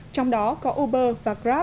trong đó có uber và grab